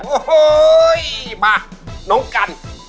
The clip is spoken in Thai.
โอ้โหมาน้องกัน